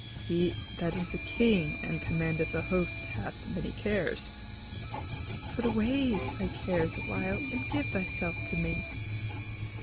"He that is a king and commandeth a host hath many cares." "Put away thy cares awhile, and give thyself to me."